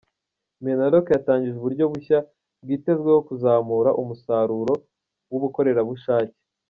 Minaloc yatangije uburyo bushya bwitezweho kuzamura umusaruro w’Ubukorerabushake.